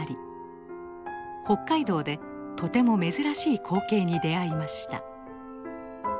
北海道でとても珍しい光景に出会いました。